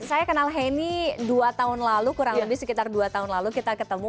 saya kenal henny dua tahun lalu kurang lebih sekitar dua tahun lalu kita ketemu